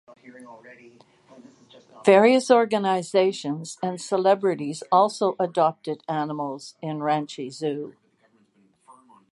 Various organisations and celebrities also adopted animals in Ranchi Zoo.